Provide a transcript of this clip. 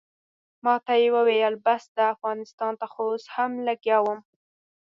ماته یې وویل بس ده افغانستان ته خو اوس هم لګیا وم.